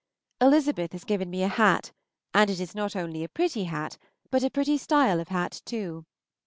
Elizabeth has given me a hat, and it is not only a pretty hat, but a pretty style of hat too.